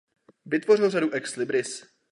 Vytvořil řadu ex libris.